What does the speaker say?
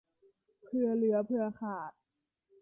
เผื่อเหลือเผื่อขาด